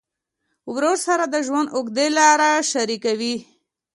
ورور سره د ژوند اوږده لار شریکه وي.